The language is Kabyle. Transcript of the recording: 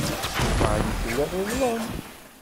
Marie tella teḍlem.